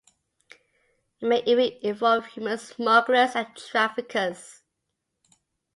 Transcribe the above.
It may even involve human smugglers and traffickers.